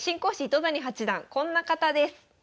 糸谷八段こんな方です。